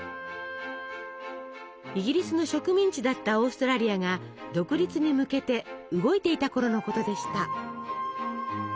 イギリスの植民地だったオーストラリアが独立に向けて動いていたころのことでした。